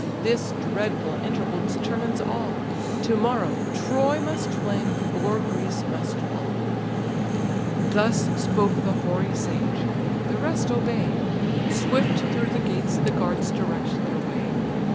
This dreadful interval determines all; To morrow, Troy must flame, or Greece must fall." Thus spoke the hoary sage: the rest obey; Swift through the gates the guards direct their way.